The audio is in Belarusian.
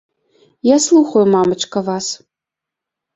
Я слухаю, мамачка, вас.